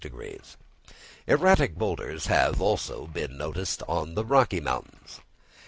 Erratic boulders have, also, been noticed on the Rocky Mountains.